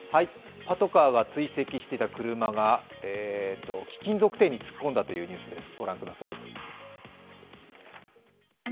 パトカーが追跡していた車が貴金属店に突っ込んだというニュースです。